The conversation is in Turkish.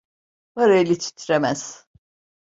Var eli titremez.